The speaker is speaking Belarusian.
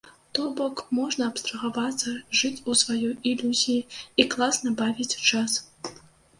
То бок, можна абстрагавацца, жыць у сваёй ілюзіі і класна бавіць час.